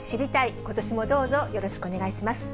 ことしもどうぞよろしくお願いします。